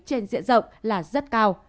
trên diện rộng là rất cao